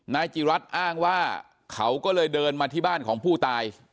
นายจิรัตน์อ้างว่าเขาก็เลยเดินมาที่บ้านของผู้ตาย